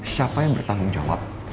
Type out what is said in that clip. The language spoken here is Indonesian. siapa yang bertanggung jawab